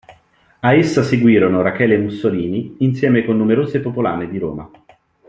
A essa seguirono Rachele Mussolini insieme con numerose popolane di Roma.